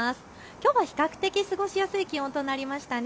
きょうは比較的過ごしやすい気温となりました。